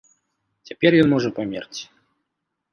Цяпер ён можа памерці.